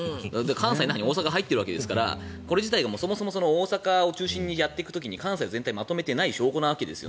関西の中に大阪が入っているわけですからこれ自体大阪を中心にやっていく時に関西をまとめていない証拠なわけです。